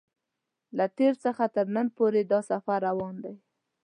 له تېر څخه تر نن پورې دا سفر روان دی.